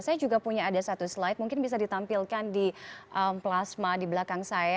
saya juga punya ada satu slide mungkin bisa ditampilkan di plasma di belakang saya